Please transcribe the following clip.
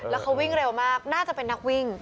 แล้วเขาวิ่งเร็วมากน่าจะเป็นนักวิ่ง